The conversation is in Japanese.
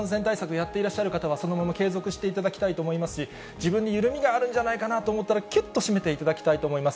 やってらっしゃる方はそのまま継続していただきたいと思いますし、自分に緩みがあるんじゃないかなと思ったら、きゅっと締めていただきたいと思います。